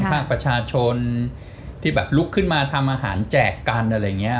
ภาคประชาชนที่แบบลุกขึ้นมาทำอาหารแจกกันอะไรอย่างนี้